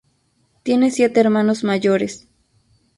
Tiene siete hermanos mayores.